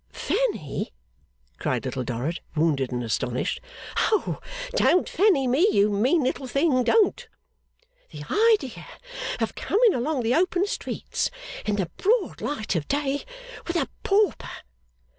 'Fanny!' cried Little Dorrit, wounded and astonished. 'Oh! Don't Fanny me, you mean little thing, don't! The idea of coming along the open streets, in the broad light of day, with a Pauper!